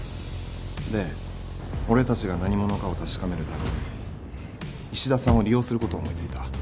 で俺たちが何者かを確かめるために石田さんを利用することを思い付いた。